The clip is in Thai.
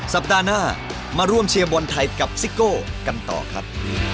สัปดาห์หน้ามาร่วมเชียร์บอลไทยกับซิโก้กันต่อครับ